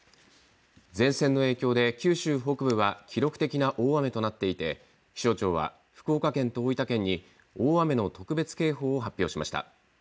前線の影響で九州北部は記録的な大雨となっていて気象庁は福岡県と大分県に大雨の特別警報を発表しました。